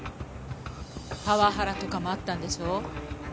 パワハラとかもあったんでしょう？